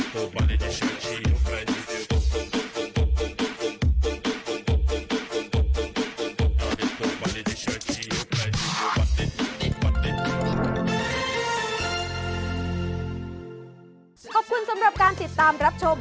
กลับให้พ่อสาวคอนแฟนธ์ชมชั่วโวตร